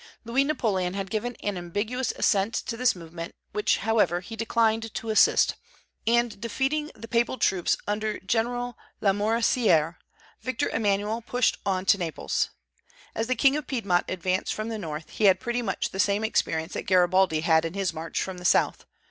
Louis Napoleon had given an ambiguous assent to this movement, which, however, he declined to assist; and, defeating the papal troops under General Lamoricière, Victor Emmanuel pushed on to Naples. As the King of Piedmont advanced from the north, he had pretty much the same experience that Garibaldi had in his march from the south.